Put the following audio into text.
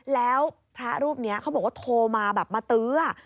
แล้วพระรูปนี้เขาบอกว่าโทรมาแบบมาตื้อ